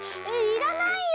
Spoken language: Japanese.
いらないよ！